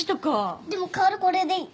でも薫これでいい。